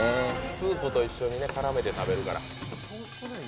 スープと一緒にね絡めて食べるから。